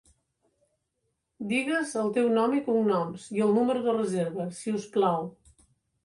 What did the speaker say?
Digues el teu nom i cognoms i el número de reserva, si us plau.